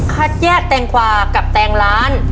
คัดแยกแตงกวากับแตงล้าน